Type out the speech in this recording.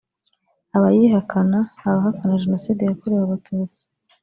Abayihakana (abahakana Jenoside yakorewe abatutsi)